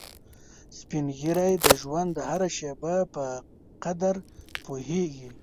سپین ږیری د ژوند هره شېبه په قدر پوهیږي